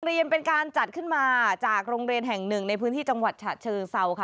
เรียนเป็นการจัดขึ้นมาจากโรงเรียนแห่งหนึ่งในพื้นที่จังหวัดฉะเชิงเซาค่ะ